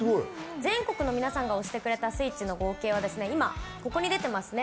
全国の皆さんが押してくれたスイッチの合計は、今ここに出ていますね。